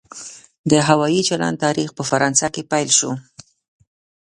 د هوایي چلند تاریخ په فرانسه کې پیل شو.